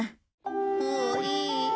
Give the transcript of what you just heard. もういい。